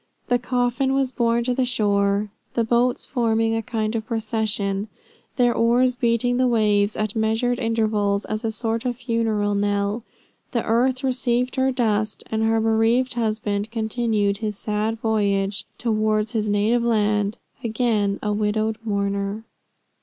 The coffin was borne to the shore; the boats forming a kind of procession, their oars beating the waves at measured intervals, as a sort of funeral knell The earth received her dust, and her bereaved husband continued his sad voyage towards his native land, again a widowed mourner.